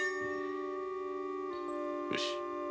よし。